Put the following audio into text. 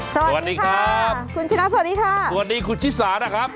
สวัสดีครับคุณชนะสวัสดีค่ะสวัสดีคุณชิสานะครับ